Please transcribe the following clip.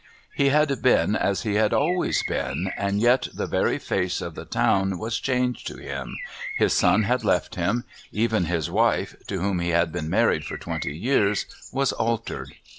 He had been as he had always been, and yet the very face of the town was changed to him, his son had left him, even his wife, to whom he had been married for twenty years, was altered.